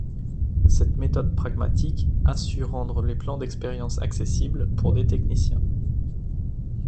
Cette méthode pragmatique a su rendre les plans d’expériences accessibles pour des techniciens.